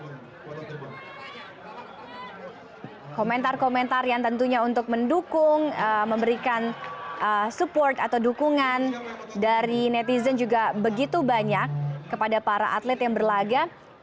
komentar komentar yang tentunya untuk mendukung memberikan support atau dukungan dari netizen juga begitu banyak kepada para atlet yang berlaga